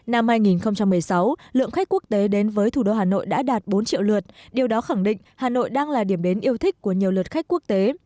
năm hai nghìn một mươi sáu lượng khách quốc tế đến với thủ đô hà nội đã đạt bốn triệu lượt điều đó khẳng định hà nội đang là điểm đến yêu thích của nhiều lượt khách quốc tế